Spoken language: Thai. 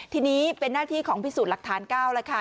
ทีนี้เป็นหน้าที่ของพิสูจน์หลักฐาน๙แล้วค่ะ